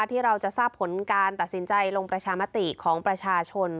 ที่เราจะทราบผลการตัดสินใจลงประชามติของประชาชน